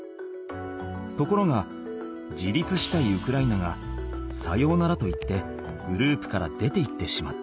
ところが自立したいウクライナが「さようなら」と言ってグループから出ていってしまった。